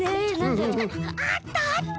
あったあった！